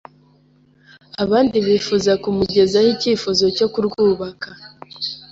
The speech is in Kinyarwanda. abandi bifuza kumugezaho ikifuzo cyo kurwubakana